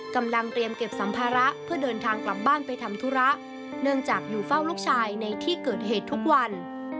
กำลังเตรียมเก็บสัมภาระเพื่อเดินทางกลับบ้านไปทำธุระเนื่องจากอยู่เฝ้าลูกชายในที่เกิดเหตุทุกวัน